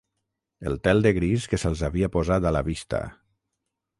El tel de gris que se'ls havia posat a la vista